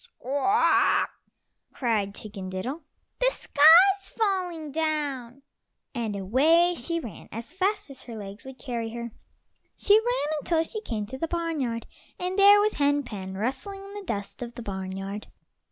"Squawk! Squawk!" cried Chicken diddle, "the sky's falling down"; and away she ran as fast as her legs would carry her. She ran until she came to the barnyard, and there was Hen pen rustling in the dust of the barnyard.